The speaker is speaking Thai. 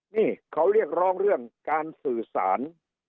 นี่เขาเรียกร้องเรื่องการสื่อสาร